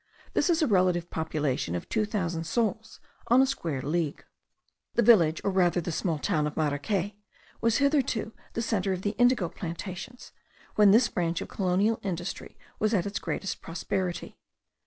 This is a relative population of two thousand souls on a square league. The village or rather the small town of Maracay was heretofore the centre of the indigo plantations, when this branch of colonial industry was in its greatest prosperity.